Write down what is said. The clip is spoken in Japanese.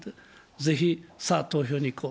ぜひ、さぁ、投票に行こう。